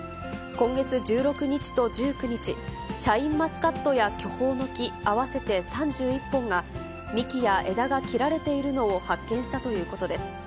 今月１６日と１９日、シャインマスカットや巨峰の木合わせて３１本が、幹や枝が切られているのを発見したということです。